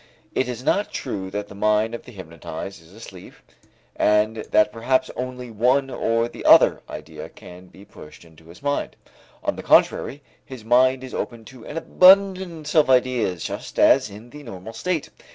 It is not true that the mind of the hypnotized is asleep and that perhaps only one or the other idea can be pushed into his mind. On the contrary, his mind is open to an abundance of ideas, just as in the normal state.